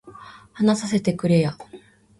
話させてくれや